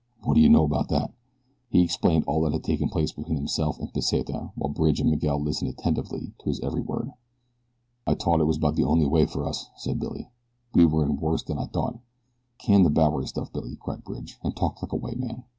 Whaddaya know about that?" He explained all that had taken place between himself and Pesita while Bridge and Miguel listened attentively to his every word. "I t'ought it was about de only way out fer us," said Billy. "We were in worse than I t'ought." "Can the Bowery stuff, Billy," cried Bridge, "and talk like a white man.